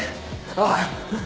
ああ。